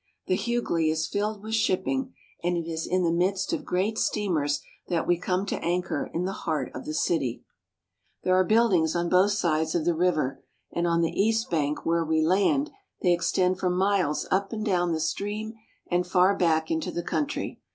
The Hugli is filled with shipping, and it is in the midst of great steamers that we come to anchor in the heart of the city. THE CITIES OF INDIA 249 There are buildings on both sides of the river, and on the east bank, where we land, they extend for miles up and down the stream and far back into the country.